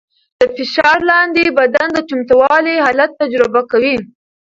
د فشار لاندې بدن د چمتووالي حالت تجربه کوي.